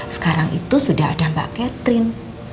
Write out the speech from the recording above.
sekarang itu sudah ada mbak catherine